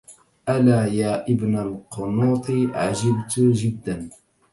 ألا يا ابن القنوط عجبت جدا